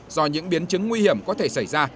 do những biến chứng nguy hiểm có thể xảy ra